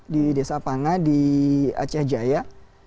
di desa panga di aceh jaya